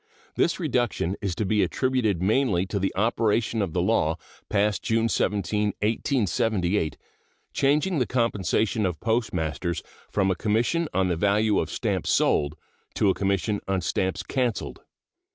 This reduction is to be attributed mainly to the operation of the law passed June 17, 1878, changing the compensation of postmasters from a commission on the value of stamps sold to a commission on stamps canceled.